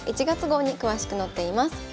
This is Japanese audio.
１月号に詳しく載っています。